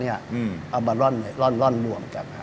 เอามาร่อนร่อนร่วมกัน